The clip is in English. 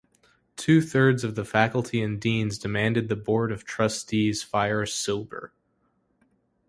Two-thirds of the faculty and deans demanded the board of trustees fire Silber.